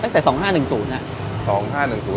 ตั้งแต่๒๕๑๐น่ะ